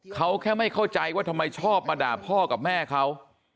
เขาแค่ไม่เข้าใจว่าทำไมชอบมาด่าพ่อกับแม่เขา